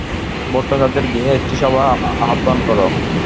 ভট্টাচার্যের গৃহে একটি সভা আহ্বান কর।